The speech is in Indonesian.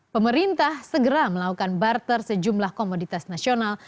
pemerintah segera melakukan barter sejumlah komoditas nasional